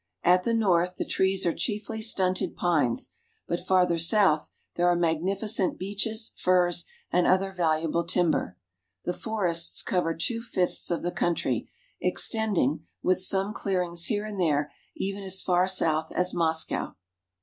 At the north the trees are chiefly stunted pines, but farther south there are magnificent beeches, firs, and other valuable timber. The forests cover two fifths of the country, extending, with some clearings here and there even as far south as Moscow.